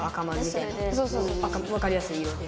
わかりやすい色で。